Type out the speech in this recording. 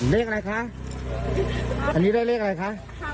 เลขอะไรคะอันนี้ได้เลขอะไรคะ